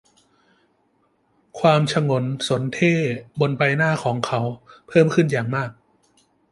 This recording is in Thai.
ความฉงนสนเท่ห์บนใบหน้าของเขาเพิ่มขึ้นอย่างมาก